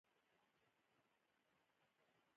فکر نه کوم چې هغه دې کار وکړي، ځکه په مستقیم ډول را کشول.